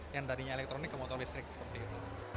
yang tadinya elektronik ke motor listrik seperti itu